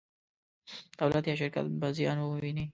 دولت یا شرکت به زیان وویني.